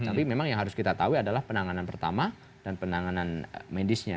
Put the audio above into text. tapi memang yang harus kita tahu adalah penanganan pertama dan penanganan medisnya